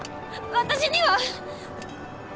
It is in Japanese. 私には。